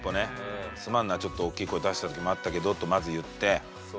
「すまんなちょっとおっきい声出した時もあったけど」ってまず言って。